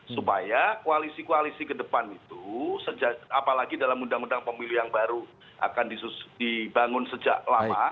supaya koalisi koalisi ke depan itu apalagi dalam undang undang pemilu yang baru akan dibangun sejak lama